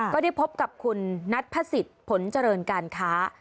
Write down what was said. ก็ได้พบกับคุณนัทพระศิษย์ผลเจริญการค้า